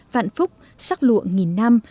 vạn phúc sắc lụa nghìn nam